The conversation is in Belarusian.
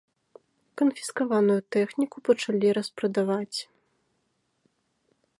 Канфіскаваную тэхніку пачалі распрадаваць.